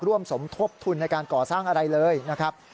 ร่วมสมทบทุนในการก่อสร้างอะไรเลยนะครับ